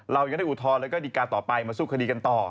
เรายังได้อุทธรณ์แล้วก็ดีการต่อไปมาสู้คดีกันต่อ